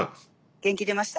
元気出ました。